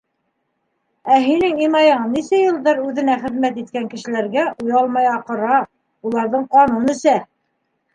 Ә һинең Имайың нисә йылдар үҙенә хеҙмәт иткән кешеләргә оялмай аҡыра, уларҙың ҡанын эсә.